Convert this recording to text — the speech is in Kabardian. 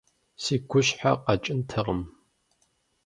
Си гущхьэ къэкӀынтэкъым!